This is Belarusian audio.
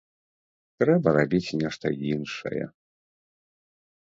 Трэба рабіць нешта іншае.